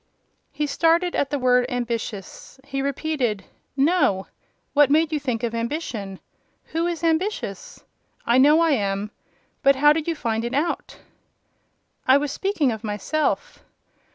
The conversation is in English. He started at the word "ambitious." He repeated, "No. What made you think of ambition? Who is ambitious? I know I am: but how did you find it out?" "I was speaking of myself."